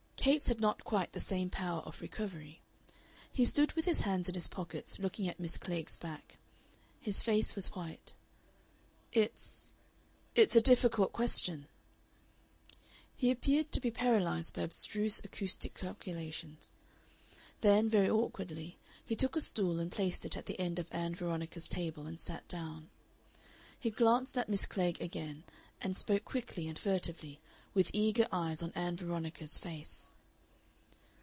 Capes had not quite the same power of recovery. He stood with his hands in his pockets looking at Miss Klegg's back. His face was white. "It's it's a difficult question." He appeared to be paralyzed by abstruse acoustic calculations. Then, very awkwardly, he took a stool and placed it at the end of Ann Veronica's table, and sat down. He glanced at Miss Klegg again, and spoke quickly and furtively, with eager eyes on Ann Veronica's face.